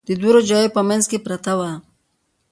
د دوو روجاییو په منځ کې پرته وه.